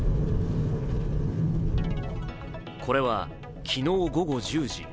これは昨日午後１０時。